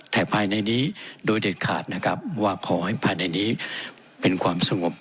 แต่ภายในนี้โดยเด็ดขาดนะครับว่าขอให้ภายในนี้เป็นความสงบ